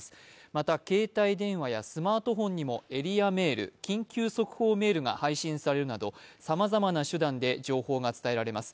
また携帯電話やスマートフォンにもエリアメール、緊急速報メールが配信されるなどさまざまな手段で情報が伝えられます。